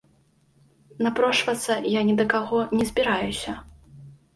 Напрошвацца я ні да каго не збіраюся.